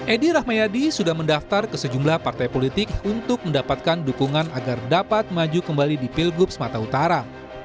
edi rahmayadi sudah mendaftar ke sejumlah partai politik untuk mendapatkan dukungan agar dapat maju kembali di pilgub sumatera utara